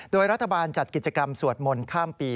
โดยรัฐบาลจัดกิจกรรมสวดมนต์ข้ามปี